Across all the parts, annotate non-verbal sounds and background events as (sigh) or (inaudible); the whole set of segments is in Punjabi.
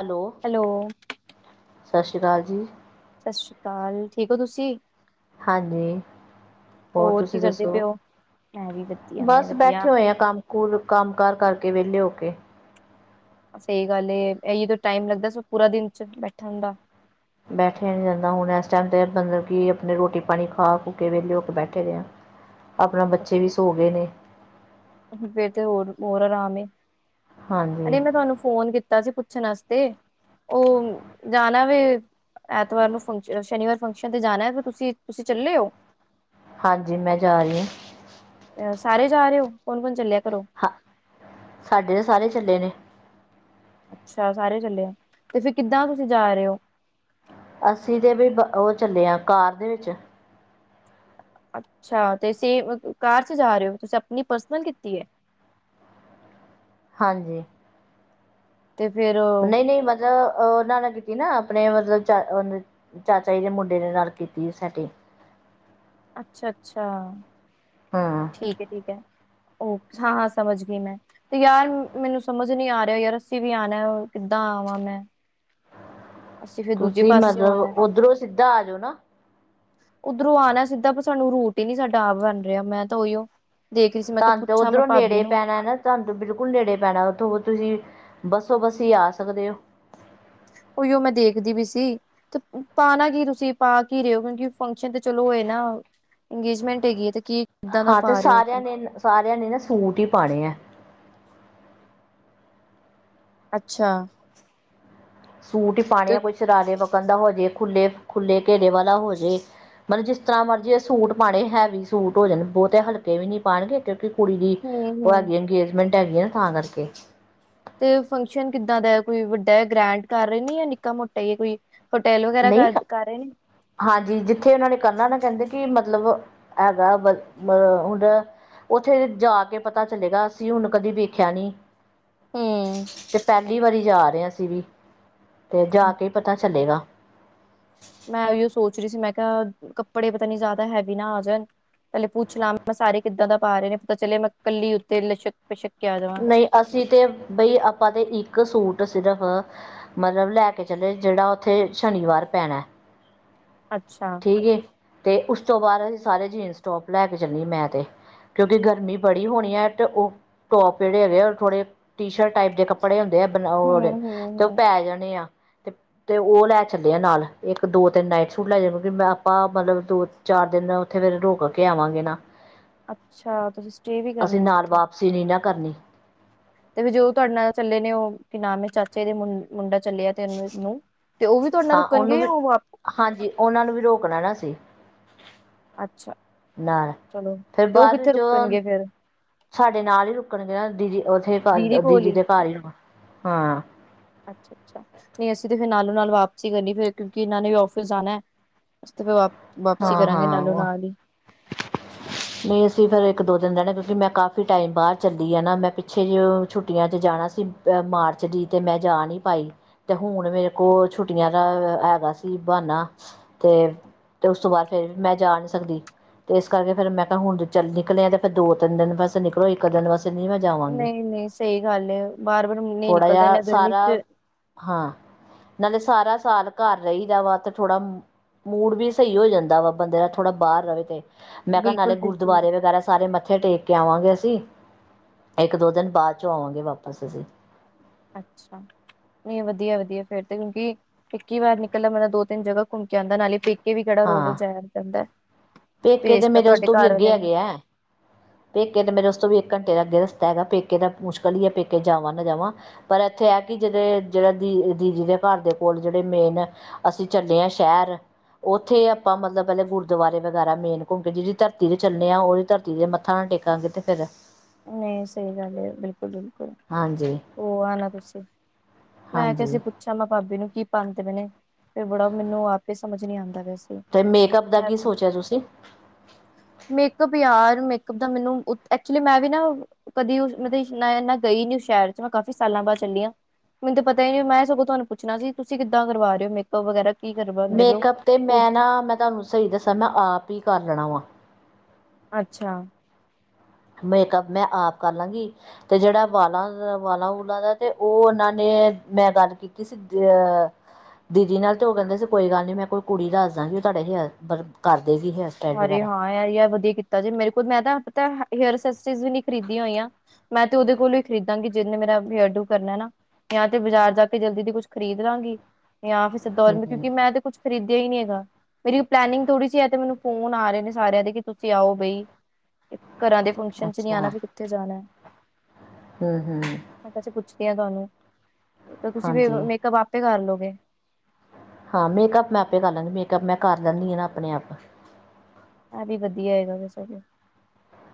ਹੈਲੋ, ਸਤਿ ਸ਼੍ਰੀ ਅਕਾਲ ਜੀ। ਸਤਿ ਸ਼੍ਰੀ ਅਕਾਲ ਠੀਕ ਹੋ ਤੁਸੀਂ। ਹਾਂਜੀ। ਹੋਰ ਕੀ ਤੁਸੀਂ ਕਰਦੇ ਪਏ ਦੱਸੋ, ਹੋ? ਮੈਂ ਵੀ ਵਧੀਆ ਮੈਂ ਵੀ ਬਸ ਵਧੀਆ। ਬੈਠੇ ਹੋਏ ਆ ਕੰਮ। ਸਕੂਲ ਕੰਮ ਕਾਰ ਕਰਕੇ ਵਿਹਲੇ ਹੋ ਕੇ। ਸਹੀ ਗੱਲ ਏ ਇਹੋਂ ਤੇ ਟਾਈਮ ਲੱਗਦਾ ਸੀ ਪੂਰਾ ਦਿਨ ਚ ਬੈਠਣ ਦਾ ਬੈਠਿਆ ਨੀ ਜਾਂਦਾ ਹੁਣ ਇਸ ਟਾਈਮ ਤੇ ਮਤਲਬ ਕਿ ਆਪਣੇ ਰੋਟੀ ਪਾਣੀ ਖਾ ਖੂ ਕੇ ਵਿਹਲੇ ਹੋ ਕੇ ਬੈਠੇ ਦੇ ਆ- ਆਪਣਾ ਬੱਚੇ ਵੀ ਸੋ ਗਏ ਨੇ ਫੇਿਰ ਤੇ ਹੋਰ ਹੋਰ ਆਰਾਮ ਏ। ਹਾਂਜੀ ਅਰੇ ਮੈਂ ਤੁਹਾਨੂੰ ਫੋਨ ਕੀਤਾ- ਤਾ ਸੀ ਪੁੱਛਣ ਵਾਸਤੇ, ਉਹ ਜਾਣਾ ਵੇ- ਐਤਵਾਰ ਨੂੰ ਫੰਕ ਸ਼ਨੀਵਾਰ ਫੰਕਸ਼ਨ ਤੇ ਜਾਣਾ ਹੈ ਫਿਰ ਤੁਸੀਂ ਤੁਸੀਂ ਚੱਲੇ ਹੋ। ਹਾਂਜੀ, ਮੈਂ ਜਾ ਰਹੀ ਹਾਂ- ਸਾਰੇ ਜਾ ਰਹੇ ਹੋ, ਕੌਣ ਕੌਣ ਚੱਲਿਆ ਘਰੋਂ? ਹਾਂ ਸਾਡੇ ਤਾਂ ਸਾਰੇ ਚੱਲੇ ਨੇ- ਅੱਛਾ ਸਾਰੇ ਚੱਲੇ ਆ, ਤੇ ਫਰ ਕਿੱਦਾਂ ਤੁਸੀਂ ਜਾ ਰਹੇ ਹੋ? ਅਸੀਂ ਤੇ ਵੀ ਉਹ ਚੱਲੇ ਆ ਕਾਰ ਦੇ ਵਿੱਚ ਅੱਛਾ! ਤੇ ਸੇ ਕਾਰ ਚ ਜਾ ਰਹੇ ਹੋ ਤੁਸੀਂ ਆਪਣੀ ਪਰਸਨਲ ਕੀਤੀ ਹੈ। ਹਾਂਜੀ। ਤੇ ਫੇਰ ਉਹ। ਨਹੀਂ ਨਹੀਂ ਮਤਲਬ ਉਹਨਾਂ ਨਾਲ ਕੀਤੀ ਨਾ ਆਪਣੇ ਮਤਲਬ ਚ। ਚਾਚਾ ਜੀ ਦੇ ਮੁੰਡੇ ਨੇ ਨਾਲੱ ਕੀਤੀ ਸੀ ਸੈਟੀਗ। ਅੱਛਾ ਅੱਛਾ, ਹਾਂ ਠੀਕ ਹੈ ਠੀਕ ਹੈ। ਹਾਂ ਹਾਂ ਸਮਝ ਗਈ ਮੈਂ। ਤੇ ਯਾਰ ਮੈਨੂੰ ਸਮਝ ਨੀ ਆ ਰਿਹਾ ਯਾਰ ਅੱਸੀ ਵੀ ਆਉਣਾ ਕਿੱਦਾਂ ਆਵਾਂ ਮੈਂ। ਅਸੀਂ ਫਿਰ ਦੂਜੇ ਤੁਸੀਂ ਪਾਸਿਓ ਮਤਲਬ, ਆਣਾ ਉੱਧਰੋਂ ਸਿੱਧਾ ਆ ਜਾਓ ਨਾ। ਉੱਧਰੋਂ ਆਉਣਾ ਸਿੱਧਾ ਪਰ ਸਾਨੂੰ ਰੂਟ ਹੀ ਨਹੀਂੀ ਸਾਡਾ ਆਪ ਬਣ ਰਿਹਾ ਮੈਂ ਤਾਂ ਉਹੀਓ। ਦੇਖ ਰਹੀ ਸੀ ਮੈਂ ਕਿਹਾ ਤਾਂੰ ਤੇ ਪੁੱਛਾਂ ਮੈਂ ਉੱਧਰੋਂ ਭਾਬੀ ਨੇੜੇ ਨੂੰ ਪੈਣਾ ਹਨਾ। ਤੁਹਾਨੂੰ ਬਿਲਕੁਲ ਨੇੜੇ ਪੈਣਾ ਉੱਥੋਂ ਤੁਸੀਂ ਬੱਸੋ ਬਸੀ ਹੀ ਆ ਸਕਦੇ ਹੋ। ਉਹੀਓ ਮੈਂ ਦੇਖਦੀ ਵੀ ਸੀ। ਤੇ ਪਾਣਾ ਕੀ ਤੁਸੀਂ ਪਾ ਕੀ ਰਹੇ ਹੋ ਕਿਉਂਕਿ ਫੰਕਸ਼ਨ ਤੇ ਚਲੋ ੳਹ ਏ ਨਾ ਅੰਗੇਜਮੈਂਟ ਹੈਗੀ ਹੈ ਤੇ ਕੀ ਕਿੱਦਾਂ ਦਾ ਹਾਂ ਤੇ ਪਾ ਰਹੇ ਹੋ ਸਾਰਿਆਂ ਨੇ ਸਾਰਿਆਂ ਨੇ ਨਾ ਸੂਟ ਹੀ ਪਾਣੇ ਹੈ- ਅੱਛਾ ਸੂਟ ਹੀ ਪਾਉਣੇ ਤੇ ਆ ਕੋਈ ਸ਼ਰਾਰੇ ਵਕਣ ਦਾ ਹੋਜੇ ਖੁੱਲੇ ਖੁੱਲੇ ਘੇਰੇ ਵਾਲਾ ਹੋਜੇ ਮਤਲਬ ਜਿਸ ਤਰ੍ਹਾਂ ਮਰਜ਼ੀ ਸੂਟ ਪਾਉਣੇ ਹੈਵੀ ਸੂਟ ਹੋ ਜਾਣ ਬਹੁਤੇ ਹਲਕੇ ਵੀ ਨਹੀਂ ਪਾਉਣਗੇ ਕਿਉਂਕਿ ਕੁੜੀ ਦੀ ਹਮ ਉਹ ਹਮ ਹੈਗੀ ਅੰਗੇਜਮੈਂਟ ਹੈਗੀ ਹੈ ਨਾ ਤਾਂ ਕਰਕੇ ਤੇ ਫੰਕਸ਼ਨ ਕਿੱਦਾਂ ਦਾ ਕੋਈ ਵੱਡਾ ਗ੍ਰੈਂਡ ਕਰ ਰਹੇ ਨੇ ਜਾਂ ਨਿੱਕਾ ਮੋਟਾ ਕੋਈ ਪੋਟੇਲ ਵਗੈਰਾ ਨਹੀਂ ਕਰ ਕਰ ਰਹੇ ਨੇ ਹਾਂਜੀ ਜਿੱਥੇ ਉਹਨਾਂ ਨੇ ਕਰਨਾ ਨਾ ਕਹਿੰਦੇ ਕਿ ਮਤਲਬ ਹੈਗਾ ਆ ਹੁੰਦਾ ਉੱਥੇ ਜਾ ਕੇ ਪਤਾ ਚਲੇਗਾ ਅਸੀਂ ਹੁਣ ਕਦੇ ਵੇਖਿਆ ਨੀ ਹੂੰ, ਤੇ ਪਹਿਲੀ ਵਾਰੀ ਜਾ ਰਹੇ ਅਸੀ ਵੀ ਤੇ ਜਾ ਕੇ ਅੱਛਾ ਪਤਾ ਚੱਲੇਗਾ ਮੈਂ ਉਹੀਓ ਸੋਚ ਰਹੀ ਸੀ ਮੈਂ ਕਿਹਾ ਕੱਪੜੇ ਪਤਾ ਨੀ ਜ਼ਿਆਦਾ ਹੈਵੀ ਨਾ ਆ ਜਾਣ ਪਹਿਲੇ ਪੁੱਛ ਲਿਆ ਮੈਂ ਸਾਰੇ ਕਿੱਦਾਂ ਦਾ ਪਾ ਰਹੇ ਨੇ ਪਤਾ ਚਲੇਿਆ ਮੈਂ ਕੱਲੀ ਉੱਤੇ ਲਛਕ ਪਿਸ਼ਕ ਕੇ ਆ ਜਾਵਾਂ ਨਹੀਂ ਅਸੀਂ ਤੇ ਬਈ ਆਪਾਂ ਤੇ ਇੱਕ ਸੂਟ ਸਿਰਫ਼ ਮਤਲਬ ਲੈ ਕੇ ਚਲੇ ਜਿਹੜਾ ਉੱਥੇ ਸ਼ਨੀਵਾਰ ਪੈਣਾ ਅੱਛਾ ਠੀਕ ਏ ਤੇ ਉਸ ਤੋਂ ਬਾਅਦ ਅਸੀਂ ਸਾਰੇ ਜੀਨਸ ਟੋਪ ਲੈ ਕੇ ਚੱਲੀ ਮੈਂ ਤੇ ਕਿਉਂਕਿ ਗਰਮੀ ਬੜੀ ਹੋਣੀ ਹੈ ਤੇ ਉਹ ਟੋਪ ਜਿਹੜੇ ਹੈਗੇ ਆ ਥੋੜੇ ਟੀ ਸ਼ਰਟ ਟਾਈਪ ਦੇ ਕੱਪੜ ਕੱਪੜੇ ਹੁੰਦੇ ਆ ਬਾਲਉ ਤੇ ਉਹ ਹੂੰ-ਹੂੰ-ਹੂੰ, ਪੈ ਜਾਣੇ ਆ ਤੇ ਤੇ ਉਹ ਲੈ ਚੱਲਦੇ ਆ ਨਾਲ ਇੱਕ ਦੋ ਤਿੰਨ ਨਾਈਟ ਸੂਟ ਲੈ ਜਾਣ ਮੈਂ ਆਪਾਂ ਮਤਲਬ ਦੋ ਚਾਰ ਦਿਨ ਉੱਥੇ ਫੇਿਰ ਰੋਕ ਕੇ ਆਵਾਂਗੇ ਨਾ ਅੱਛਾ ਤੁਸੀਂ ਸਟੇ ਵੀ ਕਰਨੇ ਆ ਉੱਥੇ ਸੀ ਨਹੀਂ ਨਾ ਕਰਨੀ ਤੇ ਫ ਜੋ ਤੁਹਾਡੇ ਨਾਲ ਚੱਲੇ ਨੇ ਉਹ ਕੀ ਨਾਮ ਹੈ ਚਾਚੇ ਦੇ ਮੁ ਮੁੰਡਾ ਚੱਲਿਆ ਤਿੰਨ ਨੂੰ ਤੇ ਉਹ ਵੀ ਤੁਹਾਡੇ ਨਾਲ ਹਾਂ ਉਹਨੂੰ ਰੁਕਣਗੇ ਵੀ ਉਹ ਹਾਂਜੀ ਉਹਨਾਂ ਨੂੰ ਵੀ ਰੋਕਣਾ ਨਾ ਸੀ ਅੱਛਾ। ਨਾਲ ਚਲੋ ਤੇ ਉਹ ਫਿਰਬਾਅਦ ਕਿੱਥੇ ਵਿੱਚ ਉਹ ਰੁਕਣਗੇ ਫਿਰ ਸਾਡੇ ਨਾਲ ਹੀ ਰੁਕਣਗੇ ਨਾ ਦੀਦੀ ਉੱਥੇ ਦੀਦੀ ਦੇ ਘਰ ਹੀ ਹਾਂ। ਅੱਛਾ, ਅੱਛਾ। ਨਹੀਂ ਅਸੀਂ ਤੇ ਫਿਰ ਨਾਲੋਂ ਨਾਲ ਵਾਪਸੀ ਹੀ ਕਰਨੀ ਫਿਰ ਕਿਉਂਕਿ ਇਹਨਾਂ ਨੇ ਵੀ ਆਫਿਸ ਜਾਣਾ ਹੈ। ਅ ਤੇ ਫਿਰ ਵਾਪਸੀ ਹਾਂ ਕਰਾਂਗੇ ਨਾਲੋਂ ਹਾਂ ਨਾਲ ਹੀ ਨਹੀਂ ਅਸੀਂ ਫੇਿਰ ਇੱਕ ਦੋ ਦਿਨ ਰਹਿਣਾ ਕਿਉਂਕਿ ਮੈਂ ਕਾਫੀ ਟਾਈਮ ਬਾਦ ਚੱਲੀ ਆ ਨਾ ਮੈਂ ਪਿੱਛੇ ਜਿ ਛੁੱਟੀਆਂ 'ਚ ਜਾਣਾ ਸੀ ਮਾਰਚ ਤੇ ਮੈਂ ਜਾ ਨਹੀਂ ਪਾਈ ਤੇ ਹੁਣ ਮੇਰੇ ਕੋਲ ਛੁੱਟੀਆਂ ਦਾ ਹੈਗਾ ਸੀ ਬਹਾਨਾ ਤੇ ਤੇ ਉਸ ਤੋਂ ਬਾਅਦ ਫੇਿਰ ਮੈਂ ਜਾ ਨਹੀਂੀ ਸਕਦੀ਼। ਤੇ ਇਸ ਕਰਕੇ ਫੇਿਰ ਮੈਂ ਕਿਹਾ ਹੁਣ ਜਦੋਂ ਚਲ ਨਿਕਲਿਆ ਫਿਰ ਦੋ ਤਿੰਨ ਦਿਨ ਬਸ ਨਿਕਲੋ ਇੱਕ ਦਿਨ ਵਸੇ ਨੀ ਮੈਂ ਜਾਵਾਂਗੀ ਨਹੀਂ ਨਹੀਂ ਸਹੀ ਗੱਲ ਬਾਰ ਵਾਰ ਨ ਥੋੜ੍ਹਾ ਨਿਕਲਦਾ ਜਿਹਾ ਇਹਨਾਂ ਦਰਨ ਸਾਰਾ ਚ ਹਾਂ ਨਾਲੇ ਸਾਰਾ ਸਾਲ ਘਰ ਰਹੀਦਾ ਵਾ ਤੇ ਥੋੜਾ ਮੂਡ ਵੀ ਸਹੀ ਹੋ ਜਾਂਦਾ ਵਾ ਬੰਦੇ ਦਾ ਥੋੜਾ ਬਾਹਰ ਰਹੇਵੇ ਤੇ ਮੈਂ ਕਿਹਾ ਨਾਲੇ ਬਿਲਕੁਲ ਬਿਲਕੁਲ। ਗੁਰਦੁਆਰੇ ਵਗੈਰਾ ਸਾਰੇ ਮੱਥੇ ਟੇਕ ਕੇ ਆਵਾਂਗੇ ਅਸੀਂ ਇੱਕ ਦੋ ਦਿਨ ਬਾਅਦ ਚੋਂ ਆਵਾਂਗੇ ਵਾਪਿਸ ਅਸੀਂ ਅੱਛਾ ਨਹੀਂ ਵਧੀਆ ਵਧੀਆ ਫੇਰ ਤੇ ਕਿਉਂਕਿ ਇੱਕੀ ਵਾਰ ਨਿਕਲਦਾ ਮਤਲਬ ਦੋ ਤਿੰਨ ਜਗਾ ਘੁੰਮ ਕੇ ਆਉਂਦਾ ਨਾਲੇ ਕੇ ਵੀ ਕਿਹੜਾ ਰੋ ਰੋ ਹਾਂ ਜਾਇਆ ਜਾਂਦਾ ਪੇਕੇ ਤੇ ਭੇਜਤਾ ਮੇਰੇ ਉਸ ਤੁਹਾਡੇ ਤੋਂ ਵੀ ਘਰ ਅੱਗੇ ਵਾਲੇ ਨੇ ਹੈਗੇ ਹੈ ਪੇਕੇ ਤਾਂ ਮੇਰੇ ਉਸਤ ਤੋਂ ਵੀ ਇੱਕ ਘੰਟੇ ਲੱਗਗੇ ਰਸਤਾ ਹੈਗਾ ਪੇਕੇ ਤਾਂ ਮੁਸ਼ਕਲ ਹੀ ਹੈ ਪੇਕੇ ਜਾਵਾਂ ਨਾ ਜਾਵਾਂ ਪਰ ਇੱਥੇ ਹੈ ਕਿ ਜਿਹੜੇ ਜਿਹੜਾ ਦੀ ਦੀਦੀ ਦੇ ਘਰ ਦੇ ਕੋਲ ਜਿਹੜੇ ਮੇਨ ਅਸੀਂ ਚੱਲੇ ਹਾਂ ਸ਼ਹਿਰ ਉੱਥੇ ਆਪਾਂ ਮਤਲਬ ਪਹਿਲੇ ਗੁਰਦੁਆਰੇ ਵਗੈਰਾ ਮੇਨ ਘੁੰਮ ਕੇ ਜਿਹੜੀ ਧਰਤੀ ਦੇ ਚੱਲੇ ਹਾਂ ਉਹਦੀ ਧਰਤੀ ਦੇ ਥਾਂ ਟੇਕਾਂਗੇ ਤੇ ਫੇਰ ਨਹੀਂ ਸਹੀ ਗੱਲ ਹੈ। ਬਿਲਕੁਲ ਬਿਲਕੁਲ ਹਾਂਜੀ ਹੋ ਆਉਣਾ ਤੁਸੀਂ ਮੈਂ ਕਿਹਾ ਅ ਹਾਂਜੀ ਸੀ ਪੁੱ (unintelligible) ਅਛਾ ਭਾਬੀ ਨੂੰ ਕੀ ਪਾਣਾ ਤੇ ਮੈਨੇ ਬੜਾ ਮੈਨੂੰ ਆਪੇ ਸਮਝ ਨੀ ਆਉਂਦਾ ਬਸ ਤੇ ਮੇਕਅੱਪ ਦਾ ਕੀ ਸੋਚਿਆ ਤੁਸੀਂ? ਮੇਕਅਪ ਯਾਰ ਮੇਕਅਪ ਦਾ ਮਿਨੂੰ ਉ ਐਕਚੁਲੀ ਮੈਂ ਵੀ ਨਾ, ਕਦੀ ਮਤਲ ਮੈਂ ਏਨਾ ਗਈ ਨੀ ਸ਼ਹਿਰ ‌'ਚ ਮੈਂ ਕਾਫੀ ਸਾਲਾਂ ਬਾਅਦ ਚੱਲੀ ਆਂ। ਮੈਨੂੰ ਤੇ ਪਤਾ ਈ ਨਈ ਮੈਂ ਸਗੋਂ ਤੁਹਾਨੂੰ ਪੁੱਛਣਾ ਸੀ। ਤੁਸੀਂ ਕਿਦਾ ਕਰਵਾ ਰਏ ਓ ਮੇਕਅਪ ਵਗੈਰਾ? ਕੀ ਕਰਵਾਉਂਦੇ ਪਏ ਹੋ ਮੇਕਅਪ ਤੇ ਖੁਦ? ਮੈਂ ਨਾ ਮੈਂ ਤਾਹਨੂੰ ਸਹੀ ਦੱਸਾਂ ਮੈਂ ਆਪ ਈ ਕਰ ਲੈਣਾ ਵਾ। ਅੱਛਾ। ਮੇਕਅੱਪ ਮੈਂ ਆਪ ਕਰਲਾਂ ਗੀ। ਤੇ ਜਿਹੜਾ ਵਾਲਾ ਦਾ ਵਾਲਾ- ਵੂਲਾ ਦਾ ਤੇ ਓ ਉਹਨਾਂ ਨੇ, ਮੈਂ ਗੱਲ ਕਿਸ ਦੇ ਅਹ। ਦੀਦੀ ਨਾਲ ਤੇ ਉਹ ਕਹਿੰਦੇ ਸੀ ਕੋਈ ਗੱਲ ਨੀ ਮੈਂ ਕੋਈ ਕੁੜੀ ਦੱਸਦਾਗੀ ਤਾਡੇ ਹੀ ਕਰਦੇ ਗੀ ਹੈਰਸ ਅਰੇ ਹਾਂ ਯਾਰ- ਯਾਰ ਵਧੀਆ ਕੀਤਾ ਜੇ ਮੇਰੇ ਕੋਲ ਮੈਂ ਤਾਂ ਪਤਾ, ਹੇਰਸਸ ਚਜ਼ ਨ ਖਰੀਦੀਆਂ ਹੋਈਆਂ। ਮੈਂ ਤੇ ਉਹਦੇ ਕੋਲੋਂ ਈ ਖਰੀਦਾਂਗੀ ਜ੍ਹਿਨੇ ਮੇਰਾ, ਹੇਅਰ ਡੂ ਕਰਨਾ ਨਾ। ਜਾਂ ਤੇ ਬਾਜ਼ਾਰ ਜਾ ਕੇ ਜਲਦੀ 'ਚ ਕੁੱਛ ਖਰੀਦਲਾਂਗੀ, ਜਾਂ ਫਿਰ ਹੂੰ ਕਿਉਂਕਿ ਮੈਂ ਤੇ ਕੁਛ ਖਰੀਦਿਆ ਈਨੀ ਹੈਗਾ, ਮੇਰੀ ਪਲੇਨਿਗ ਥੋੜੀ ਸੀ ਅ ਤੇ ਮਿਨੂੰ ਫੋਨ ਆ ਰਹੇ ਨੇ ਸਾਰਿਆਂ ਦੇ ਕਿ ਤੁਸੀਂ ਆਓ ਬਈ, ਘਰਾਂ ਦੇ ਫੰਕਸ਼ਨ ਚ ਨੀ ਆਣਾ ਅੱਛਾ ਫਿਰ ਕਿੱਥੇ ਜਾਣਾ? ਹੂੰ-ਹੂੰ। ਮੈਂ ਵੈਸੇ ਪੁੱਛਦੀ ਆ ਤਹਾਨੂੰ ਤੇ ਤੁਸੀਂ ਹਾਂਜੀ ਮੇਕਅਪ ਆਪੇ ਕਰ ਲੋਗੇ? ਹਾਂ ਮੇਕਅਪ ਮੈਂ ਆਪੇ ਕਰ ਲੈਂਨੀ ਮੇਕਅਪ ਮੈਂ ਕਰ ਲੈਂਨੀ ਆ ਨਾ ਆਪਣੇ ਆਪ। ਐ ਵੀ ਵਧੀਆ ਹੈਗਾ ਵੈਸੇ ਤੇ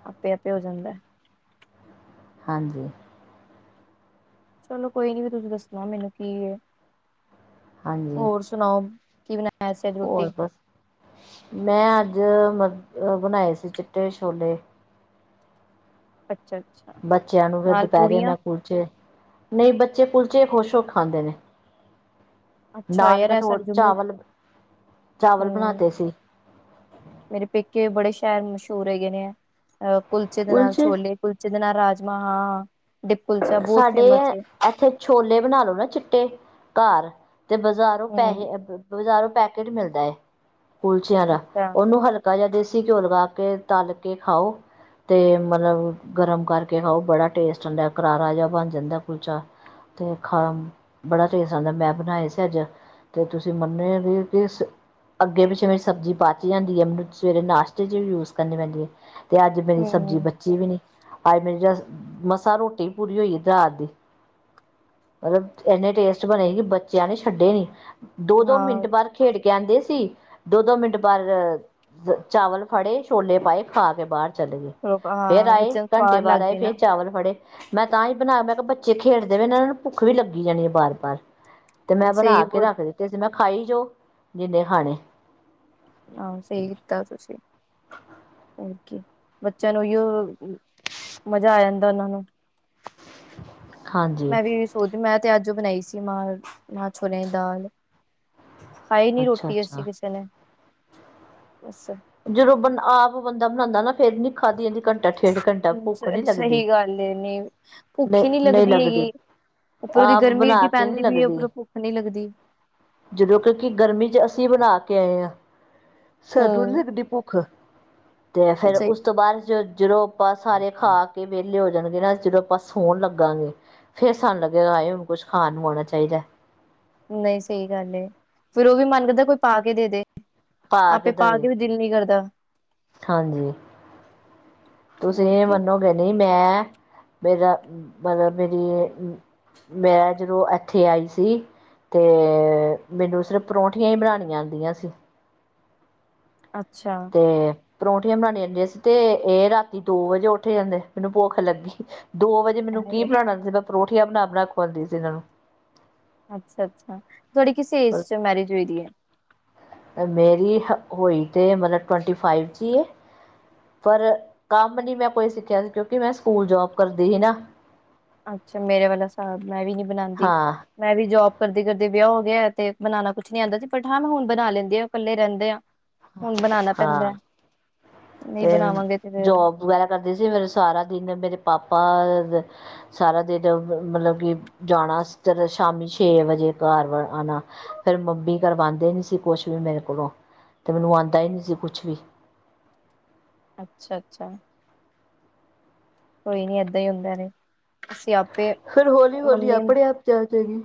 ਆਪੇ-ਆਪੇ ਹੋ ਜਾਂਦਾ। ਹਾਂਜੀ। ਚਲੋ ਕੋਈ ਨੀ ਤੁਸੀਂ ਦੱਸਣਾ ਮੈਨੂੰ ਕੀ ਏ, ਹਾਂਜੀ ਹੋਰ ਸੁਣਾਓ ਕੀ ਬਣਾ? ਹੋਰ ਬਸ, ਮੈਂ ਅੱਜ ਅ ਬਣਾਏ ਸੀ ਚਿੱਟੇ ਛੋਲੇ। ਅੱਛਾ -ਅੱਛਾ। ਬੱਚਿਆਂ ਨੂੰ ਫਿਰ ਨਾਲ ਦੁਪਹਿਰੇ ਪੂੜੀਆਂ ਮੈਂ ਕੁਲਚੇ, ਨਈਂ ਬੱਚੇ ਕੁਲਚੇ ਖੁਸ਼ ਹੋ ਕੇ ਖਾਂਦੇ ਨੇ। ਅੱਛਾ ਨਾਲ ਯਾਰ ਮੈਂ ਇਹ ਥੋੜ ਸਾਡੇ ਜੰਮੂ ਚਾਵਲ, ਚਾਵਲ ਬਣਾ ਹਮ ਤੇ ਸੀ। ਮੇਰੇ ਪੇਕੇ ਬੜੇ ਸ਼ਹਿਰ ਮਸ਼ਹੂਰ ਹੈਗੇ ਨੇ, ਅਹ ਕੁਲਚੇ ਦੇ ਨਾਲ ਉਲਝ ਛੋਲੇ ਕੁਲਚੇ ਦੇ ਨਾਲ ਰਾਜਮਾਂ ਹਾਂ-ਹਾਂ। ਦੇ ਕੁਲਚਾ ਸਾਡੇ ਏਹ ਇੱਥੇ ਛੋਲੇ ਬਣਾ ਲੋ ਨਾ ਚਿੱਟੇ ਘਾਰ ਤੇ ਬਾਜ਼ਾਰ ਹਮ ਪੈਹੇ, ਬਜ਼ਾਰੋ ਪੈਕੇਟ ਮਿਲਦਾ ਏ ਕੁਲਚਿਆਂ ਦਾ, ਅੱਛਾ ਉਹਨੂੰ ਹਲ ਕਾ ਜਾਂ ਦੇਸੀ ਘਿਓ ਲਗਾ ਕੇ ਤਲ ਕੇ ਖਾਓ। ਤੇ ਮਲਬ, ਗਰਮ ਕਰਕੇ ਖਾਓ ਬੜਾ ਟੇਸਟ ਹੁੰਦਾ ਏ ਕਰਾਰਾ ਜਿਹਾ ਬਣ ਜਾਂਦਾ ਕੁਲਚਾ। ਤੇ ਖਾ, ਬੜਾ ਟੇਸਟ ਆਦਾਂ ਮੈਂ ਬਣਾਏ ਸੀ ਅੱਜ। ਤੇ ਤੁਸੀਂ ਮੰਨੇਗੇ ਕਿਸ ਅੱਗੇ-ਪਿੱਛੇ ਮੇਰੀ ਸਬਜ਼ੀ ਬਚ ਜਾਂਦੀ ਐ। ਮਨੂ ਸਵੇਰੇ ਨਾਸ਼ਤੇ ਚ ਵੀ ਯੂਸ ਕਰਨੀ ਪੈਂਦੀ ਏ। ਤੇ ਅੱਜ ਮੇਰੀ ਸਬਜ਼ੀ ਹਮ ਬੱਚੀ ਵੀ ਨੀ, ਅੱਜ ਮੇਰੀ ਮਸਾਂ ਰੋਟੀ ਪੂਰੀ ਹੋਈ ਰਾਤ ਦੀ। ਮਲਬ ਏਨੇ ਟੇਸਟ ਬਣੇ ਹੀ ਕਿ ਬੱਚਿਆਂ ਨੇ ਛੱਡੇ ਨੀ। ਦੋ-ਦੋ ਹਾਂ ਮਿੰਟ ਬਾਅਦ ਖੇਡ ਕੇ ਆਂਦੇ ਸੀ। ਦੋ-ਦੋ ਮਿੰਟ ਬਾਰ ਚਾਵਲ, ਫੜੇ ਛੋਲੇ ਪਾਏ ਖਾ ਕੇ ਬਾਰ। ਚਲੇ ਗਏ, ਥੋੜਾ- ਫੇਰ ਹਾਂ ਆਏ ਬੱਚਿਆਂ ਨੂੰ ਘੰਟੇ ਸਵਾਦ ਲੱਗ ਬਾਦ ਆਏ ਗਏ ਨਾ ਫੇਰ ਚਾਵਲ ਫੜੇ ਮੈਂ ਤਾਂ ਈ ਬਣਾਏ ਮੈਂ ਕਿਆ ਬੱਚੇ ਖੇਡਦੇ ਵੀ ਇਹਨਾਂ ਨੂੰ ਭੁੱਖ ਵੀ ਲੱਗੀ ਜਾਣੀ ਏ ਬਾਰ- ਬਾਰ। ਤੇ ਮੈਂ ਸਹੀ ਬਣਾ ਕੇ ਬਹੁਤ ਰੱਖ ਦਿੱਤੇ ਸੀ ਮੈਂ ਖਾਈ ਜੋ, ਜਿੰਨੇ ਖਾਣੇ। ਆਹੋ ਸਹੀ ਕੀਤਾ ਤੁਸੀਂ। ਓਕੇ, ਬੱਚਿਆਂ ਨੂੰ ਇਓ, ਮਜ਼ਾ ਆ ਜਾਂਦਾ ਉਹਨਾਂ ਨੂੰ ਹਾਂਜੀ ਮੈਂ ਵੀ ਮੈਂ ਤੇ ਅੱਜ ਬਣਾਈ ਸੀ। ਮਾਹ-ਮਾਹ ਛੋਲਿਆਂ ਦੀ ਦਾਲ। ਖਾਈ ਨੀ ਅੱਛਾ ਰੋਟੀ ਅਸੀਂ ਅੱਛਾ ਕਿਸੇ ਨੇ, ਬਸ। ਜਦੋਂ ਬੰਦ ਆਪ ਬੰਦਾ ਬਣਾਦਾਂ ਨਾ ਫੇਰ ਨੀ ਖਾਧੀ ਜਾਂਦੀ ਘੰਟਾ ਡੇੜ ਘੰਟਾ ਭੁੱਖ ਨੀ ਲੱਗਦੀ, ਸਹੀ ਗੱਲ ਏ ਨੀ ਭੁੱਖ ਹੀ ਨੀ ਨਈ-ਨਈ ਲੱਗਦੀ। ਹੈਗੀ ਉੱਪਰੋਂ ਦੀ ਆਪ ਗਰਮੀ ਬਣਾ ਏਡੀ ਕੇ ਨੀ ਪੈਂਦੀ ਪੀ ਏ, ਲੱਗਦੀ ਉਪਰੋਂ ਭੁੱਖ ਨੀ ਲੱਗਦੀ। ਜਦੋਂ ਕਿਉਂਕਿ ਗਰਮੀ 'ਚ ਅਸੀਂ ਬਣਾ ਕੇ ਆਏ ਹਾਂ ਸਾਨੂੰ ਨਹੀ ਹੂੰ ਲਗਦੀ। ਭੁੱਖ ਤੇ ਫਿਰ ਸਹੀ ਉਸ ਤੋਂ ਬਾਅਦ ਜਦੋਂ ਆਪਾਂ ਸਾਰੇ ਖਾ ਕੇ ਵੇ ਲੇ ਹੋ ਜਾਣਗੇ ਨਾ ਜਦੋਂ ਆਪਾਂ ਸੋਣ ਲੱਗਾਗੇ ਫੇਰ ਸਾਨੂੰ ਲੱਗੇਗਾ ਆਏ ਹੁਣ ਕੁਛ ਖਾਣ ਨੂੰ ਆਉਣਾ ਚਾਹੀਦਾ। ਨਹੀਂ ਸਹੀ ਗੱਲ ਏ ਫਿਰ ਉਹ ਵੀ ਮਨ ਕਰਦਾ ਕੋਈ ਪਾ ਕੇ ਦੇ ਦੇ। ਆਪੇ ਪਾ ਕੇ ਵੀ ਦਿਲ ਨਹੀਂ ਕਰਦਾ। ਹਾਂਜੀ ਤੁਸੀਂ ਹੋਰ ਇਹ ਕੀ ਮੰਨੋ ਮੈ ਨਹੀਂ ਮੈਂ ਮੇਰਾ ਮਤਲਬ ਮੇਰੀ ਮੈਂ ਜਦੋਂ ਏਥੇ ਆਈ ਸੀ। ਤੇ ਮੈਨੂੰ ਸਿਰਫ ਪਰੌਂਠੀਆਂ ਹੀ ਬਣਾਂਣੀਆਂ ਆਂਦੀਆਂ ਸੀ। ਅੱਛਾ ਤੇ ਪਰੌਂਠੀਆਂ ਬਣਾਣੀਆਂ ਆਂਦੀਆਂ ਸੀ ਤੇ ਇਹ ਰਾਤੀ ਦੋ ਵਜੇ ਉਠ ਜਾਂਦੇ ਮੈਨੂੰ ਭੁੱਖ ਲੱਗੀ। ਦੋ ਵਜੇ ਮੈਨੂੰ ਕੀ ਬਣਾਣਾ ਸੀ ਮੈਂ ਪਰੋਠੀਆਂ ਬਣਾ -ਬਣਾ ਖਵਾਉਂਦੀ ਸੀ ਇਹਨਾਂ ਨੂੰ ਅੱਛਾ -ਅੱਛਾ ਤੁਹਾਡੀ ਕਿਸ ਏਜ 'ਚ ਮੈਰਿਜ ਹੋਈ ਦੀ ਏ। ਮੇਰੀ ਹੋਈ ਤੇ ਮਤਲਬ ਟਵੰਟੀ ਫਾਈਵ 'ਚ ਹੀ ਏ। ਪਰ ਕੰਮ ਨੀ ਮੈਂ ਕੋਈ ਸਿੱਖਿਆ ਸੀ ਕਿਉਂਕਿ ਮੈਂ ਸਕੂਲ ਜੋਬ ਕਰਦੀ ਹੀ ਨਾ। ਅੱਛਾ ਮੇਰੇ ਵਾਲਾ ਹਸਾਬ ਮੈਂ ਵੀ ਨੀ ਬਣਾਂਦੀ। ਹਾਂ ਮੈਂ ਵੀ ਜੋਬ ਕਰਦੀ ਕਰਦੀ ਵਿਆਹ ਹੋ ਗਿਆ ਏ ਤੇ ਬਣਾਣਾ ਕੁਛ ਨੀ ਆਉਂਦਾ ਸੀ ਬਟ ਹਾਂ ਮੈਂ ਹੁਣ ਬਣਾ ਲੈਂਦੀ ਆ ਇਕੱਲੇ ਰਹਿੰਦੇ ਆ। ਹੁਣ ਬਣਾਣਾ ਪੈਂਦਾ। ਹਾਂ ਨਹੀਂ ਤੇ ਬਣਾਵਾਂਗੇ ਤੇ ਫਿਰ ਜੋਬ ਵਗੈਰਾ ਕਰਦੀ ਸੀ ਫਿਰ ਸਾਰਾ ਦਿਨ ਮੇਰੇ ਪਾਪਾ ਸਾਰਾ ਦਿਨ ਮਤਲਬ ਕਿ ਜਾਣਾ ਤੇ ਸ਼ਾਮੀ ਛੇ ਵਜੇ ਘਰ ਵ ਆਉਣਾ। ਫਿਰ ਮੰਮੀ ਕਰਵਾਂਦੇ ਨੀ ਸੀ ਕੁਛ ਵੀ ਮੇਰੇ ਕੋਲੋਂ ਤੇ ਮੈਨੂੰ ਆਂਦਾ ਹੀ ਨਹੀਂ ਸੀ ਕੁਛ ਵੀ ਅੱਛਾ- ਅੱਛਾ ਕੋਈ ਨੀ ਏਦਾਂ ਹੀ ਹੁੰਦਾ ਨੇ ਅਸੀਂ ਆਪੇ ਫਿਰ ਹੌਲੀ -ਹੌਲੀ ਮੰਮੀ ਆਪਣੇ ਆਪ ਜਾਚ ਆਗੀ।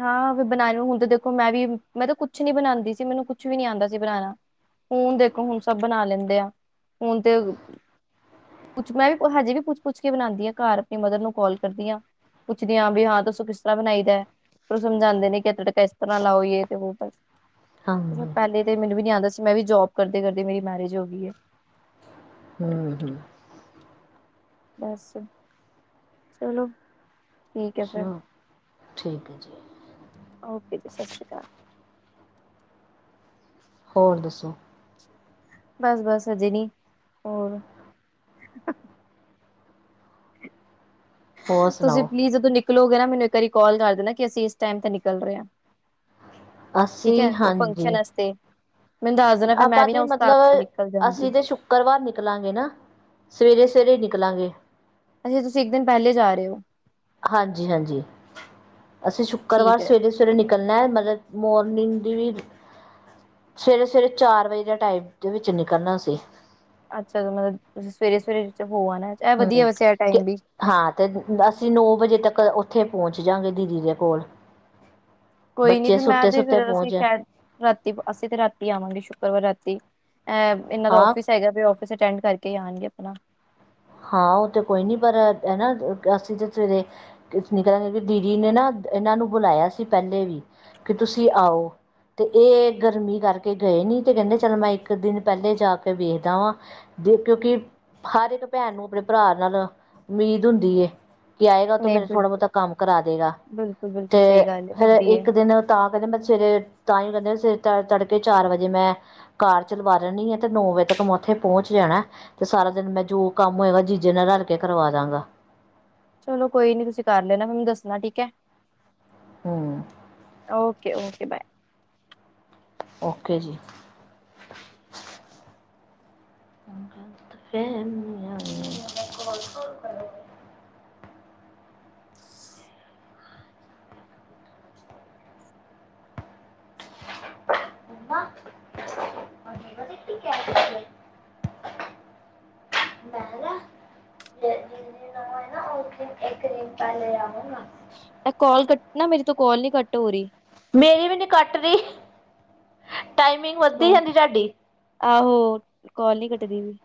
ਹਾਂ ਬਣਾ ਲੋਂ ਹੁਣ ਤਾਂ ਦੇਖੋ ਮੈਂ ਵੀ ਮੈਂ ਤਾਂ ਕੁਛ ਨੀ ਬਣਾਂਦੀ ਸੀ ਮੈਨੂੰ ਕੁਛ ਵੀ ਨੀ ਆਂਦਾ ਸੀ ਬਣਾਣਾ। ਹੁਣ ਦੇਖੋ ਹੁਣ ਸਭ ਬਣਾ ਲੈਂਦੇ ਆ ਹੁਣ ਤੇ ਪੁਛ ਮੈਂ ਵੀ ਹਜੇ ਵੀ ਪੁੱਛ- ਪੁੱਛ ਕੇ ਬਣਾਂਦੀ ਹਾਂ ਘਰ ਆਪਣੀ ਮਦਰ ਨੂੰ ਕਾਲ ਕਰਦੀ ਆਂ। ਪੁੱਛਦੀ ਹਾਂ ਬੀ ਹਾਂ ਦੱਸੋ ਕਿਸ ਤਰ੍ਹਾਂ ਬਣਾਈ ਦਾ। ਉਹ ਸਮਝਾਂਦੇ ਨੇ ਕਿ ਐ ਤੜਕਾ ਇਸ ਤਰ੍ਹਾਂ ਲਾਓ ਯੇ ਤੇ ਵੋ ਹਾਂਜੀ ਪਹਿਲੇ ਤੇ ਮੈਨੂੰ ਵੀ ਨੀ ਆਂਦਾ ਸੀ ਮੈਂ ਵੀ ਜੋਬ ਕਰਦੇ ਕਰਦੇ ਮੇਰੀ ਮੈਰਿਜ ਹੋ ਗਈ। ਹੂੰ-ਹੂੰ ਬਸ ਚਲੋ। ਠੀਕ ਐ ਫਿਰ ਅੱਛਾ ਠੀਕ ਹੈ ਜੀ। ਓਕੇ ਜੀ ਸਤਿ ਸ਼੍ਰੀ ਅਕਾਲ। ਹੋਰ ਦੱਸੋ। ਬਸ- ਬਸ ਹਜੇ ਨੀ ਹੋਰ ਹੋਰ ਤੁਸੀਂ ਸੁਣਾਓ ਪਲੀਜ਼ ਜਦੋਂ ਨਿਕਲੋਗੇ ਨਾ ਮੈਨੂੰ ਇੱਕ ਵਾਰੀ ਕੋਲ ਕਰ ਦੇਣਾ ਕਿ ਅਸੀਂ ਇਸ ਟਾਈਮ ਤੇ ਨਿਕਲ ਰਹੇ ਆਂ। ਠੀਕ ਏ ਅਸੀਂ ਉਹ ਹਾਂਜੀ ਫੰਕਸ਼ਨ ਅਸਤੇ ਮੈਨੂੰ ਦੱਸ ਦੇਣਾ ਫੇਰ ਮੈਂ ਵੀ ਨਾ ਉਸ ਸਾਬ ਨਾਲ ਨਿਕਲ ਜਾਂਗੀ। ਸ਼ੁਕਰਵਾਰ ਨਿਕਲਾਂਗੇ ਨਾ ਸਵੇਰੇ -ਸਵੇਰੇ ਹੀ ਨਿਕਲਾਂਗੇ। ਅੱਛਾ ਤੁਸੀਂ ਇੱਕ ਦਿਨ ਪਹਿਲੇ ਜਾ ਰਹੇ ਹੋ। ਹਾਂਜੀ -ਹਾਂਜੀ ਅਸੀਂ ਸ਼ੁੱਕਰਵਾਰ ਠੀਕ ਐ। ਸਵੇਰੇ ਸਵੇਰੇ ਨਿਕਲਣਾ ਏ ਮਤਲਬ ਮੋਰਨਿੰਗ ਦੀ ਵੀ ਸਵੇਰੇ -ਸਵੇਰੇ ਚਾਰ ਵਜੇ ਦੇ ਟਾਈਮ ਦੇ ਵਿੱਚ ਨਿਕਲਣਾ ਸੀ। ਅੱਛਾ ਮਤਲਬ ਤੁਸੀ ਸਵੇਰੇ- ਸਵੇਰੇ ਹੋ ਆਨਾ ਏ ਇਹ ਵਧੀਆ ਹੂੰ ਵੈਸੇ ਕਿ ਟਾਈਮ ਵੀ ਹਾਂ ਤੇ ਅਸੀਂ ਨੌ ਵਜੇ ਤੱਕ ਉਥੇ ਪਹੁੰਚ ਜਾਂਗੇ ਦੀਦੀ ਦੇ ਕੋਲ ਕੋਈ ਨੀ ਬੱਚੇ ਫੇ ਮੈਂ ਸੁੱਤੇ ਤੇ ਸੁੱਤੇ ਫਿਰ ਅਸੀਂ ਪਹੁੰਚ ਰਾਤੀ ਅਸੀਂ ਤੇ ਰਾਤੀ ਆਵਾਂਗੇ ਸ਼ੁੱਕਰਵਾਰ ਰਾਤੀ ਐ ਇਹਨਾਂ ਦਾ ਹਾਂ ਔਫਿਸ ਹੈਗਾ ਫੇ ਔ ਫਿਸ ਅਟੈਂਡ ਕਰਕੇ ਆਣਗੇ ਆਪਣਾ ਹਾਂ ਉਹ ਤੇ ਕੋਈ ਨਹੀਂ ਪਰ ਐ ਨਾ ਅਸੀਂ ਤਾਂ ਸਵੇਰੇ ਦੀਦੀ ਨੇ ਨਾ ਇਹਨਾਂ ਨੂੰ ਬੁਲਾਇਆ ਸੀ ਪਹਿਲੇ ਵੀ ਕਿ ਤੁਸੀਂ ਆਓ ਤੇ ਇਹ ਗਰਮੀ ਕਰਕੇ ਗਏ ਨੀ ਤੇ ਕਹਿੰਦੇ ਚਲ ਮੈਂ ਇੱਕ ਦਿਨ ਪਹਿਲੇ ਜਾ ਕੇ ਵੇਖਦਾ ਵਾਂ ਕਿਉਂਕਿ ਹਰ ਇੱਕ ਭੈਣ ਨੂੰ ਆਪਣੇ ਭਰਾ ਨਾਲ ਉਮੀਦ ਹੁੰਦੀ ਹੈ। ਕੀ ਆਏਗਾ ਤੇ ਨਹੀਂ ਫੇਰ ਥੋੜਾ ਬਿਲਕੁਲ ਬਹੁਤਾ ਕੰਮ ਕਰਾ ਦੇਗਾ ਤੇ ਬਿਲਕੁਲ-ਬਿਲਕੁਲ ਸਹੀ ਗੱਲ ਏ ਫੇਰ ਹੁੰਦੀ ਏ ਇੱਕ ਦਿਨ ਤਾਂ ਕਹਿੰਦੇ ਮੈਂ ਸਵੇਰੇ ਤਾਂ ਹੀ ਕਹਿੰਦੇ, ਸਵੇਰੇ ਤੜਕੇ ਚਾਰ ਵਜੇ ਮੈਂ ਕਾਰ ਚਲਵਾ ਰਹਿਣੀ ਆ ਤੇ ਨੌ ਵਜੇ ਤੱਕ ਮੈਂ ਉੱਥੇ ਪਹੁੰਚ ਜਾਣਾ ਤੇ ਸਾਰਾ ਦਿਨ ਮੈਂ ਜੋ ਕੰਮ ਹੋਏਗਾ ਜੀਜੇ ਨਾਲ ਰਲ ਕੇ ਕਰਵਾ ਦਾਂਗਾ ਚਲੋ ਕੋਈ ਨੀ ਤੁਸੀਂ ਕਰ ਲੈਣਾ ਮੈਨੂੰ ਦੱਸਣਾ ਠੀਕ ਹੈ। ਹਮ ਓਕੇ ਓਕੇ ਬਾਏ ਓਕੇ ਜੀ (unintelligible) (unintelligible) ਮੈਂ ਨਾ ਜਿਸ ਦਿਨ ਦਿਨ ਇੱਕ ਦਿਨ ਪਹਿਲੇ ਆਵਾਂਗਾ ਇਹ ਕਾਲ ਕੱਟਨਾ ਮੇਰੀ ਤੋਂ ਕਾਲ ਨੀ ਕੱਟ ਹੋ ਰਹੀ ਮੇਰੀ ਵੀ ਨੀ ਕੱਟ ਰਹੀ ਟਾਈਮਿੰਗ ਵੱਧਦੀ ਜਾਂਨੀ ਤੁਹਾਡੀ ਆਹੋ ਕੋਲ ਨੀ ਕੱਟਦੀ ਪਈ